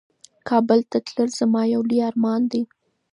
کابل ته تلل زما یو لوی ارمان دی.